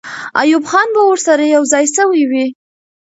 ایوب خان به ورسره یو ځای سوی وي.